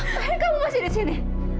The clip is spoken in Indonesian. apa yang kamu masih disini